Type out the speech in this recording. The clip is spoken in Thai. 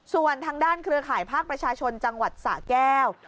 ส่วนทางด้านเครือข่ายภาคประชาชนจังหวัดสะแก้ว